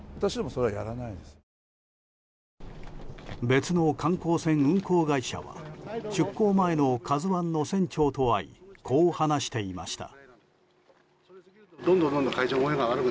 別の観光船運航会社は出航前の「ＫＡＺＵ１」の船長と会い、こう話していました。